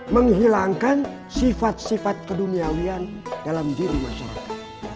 menghilangkan sifat sifat keduniawian dalam diri masyarakat